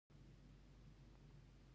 بیا اپلای وکړه.